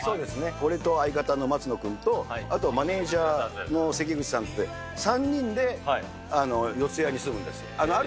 俺と相方の松野君と、あとマネージャーの関口さんって、３人で四谷に住むんです。